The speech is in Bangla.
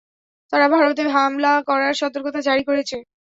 তারা ভারতে হামলা করার সর্তকতা জারি করেছে।